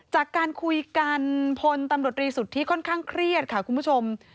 จากการคุยกันพลตำรวจรีสุทธิค่อนข้างเครียดค่ะคุณผู้ชม